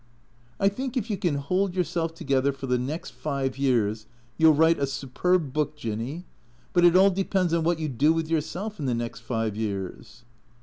" I think, if you can hold yourself together for the next five years, you '11 write a superb book. Jinny. But it all depends on what you do with yourself in the next five years."